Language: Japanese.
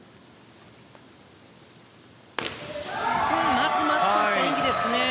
まずまずといった演技ですね。